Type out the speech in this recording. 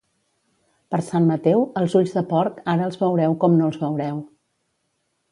Per Sant Mateu, els ulls de porc, ara els veureu com no els veureu.